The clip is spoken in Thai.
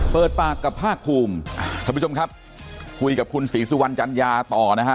เปิดปากกับภาคภูมิท่านผู้ชมครับคุยกับคุณศรีสุวรรณจัญญาต่อนะฮะ